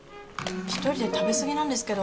１人で食べ過ぎなんですけど。